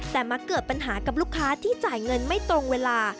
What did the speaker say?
แต่มาเกิดปัญหากับลูกค้าที่จ่ายเงินไม่ตรงเวลา